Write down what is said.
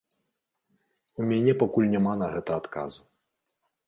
У мяне пакуль няма на гэта адказу.